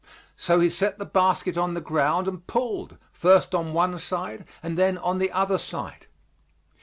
So he set the basket on the ground and pulled, first on one side and then on the other side.